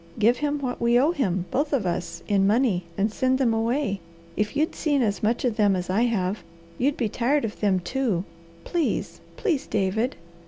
Give him what we owe him, both of us, in money, and send them away. If you'd seen as much of them as I have, you'd be tired of them, too. Please, please, David!"